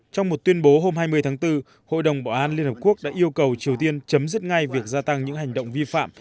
trong một tuyên bố hôm hai mươi tháng bốn hội đồng bảo an liên hợp quốc đã yêu cầu triều tiên chấm dứt ngay việc gia tăng những hành động vi phạm